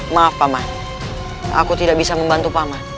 maaf paman aku tidak bisa membantu paman